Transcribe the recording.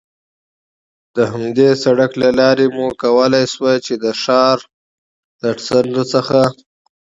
د همدې سړک له لارې مو کولای شوای، چې د ښار له څنډو څخه.